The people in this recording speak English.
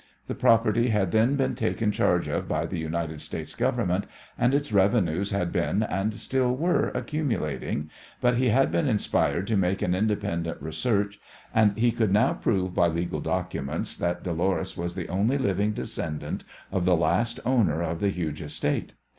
The property had then been taken charge of by the United States Government, and its revenues had been, and still were, accumulating, but he had been inspired to make an independent research, and he could now prove by legal documents that Dolores was the only living descendant of the last owner of the huge estate.